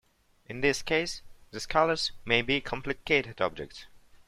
In this case the "scalars" may be complicated objects.